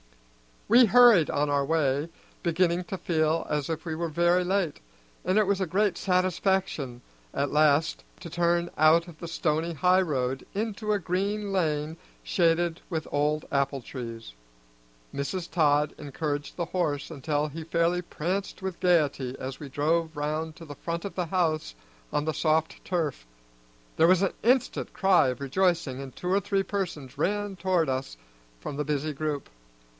We hurried on our way, beginning to feel as if we were very late, and it was a great satisfaction at last to turn out of the stony highroad into a green lane shaded with old apple trees. Mrs. Todd encouraged the horse until he fairly pranced with gayety as we drove round to the front of the house on the soft turf. There was an instant cry of rejoicing, and two or three persons ran toward us from the busy group.